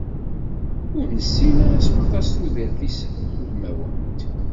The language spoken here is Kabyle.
Ur nessin ara s waṭas tudert-is tudmawant.